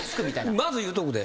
まず言うとくで。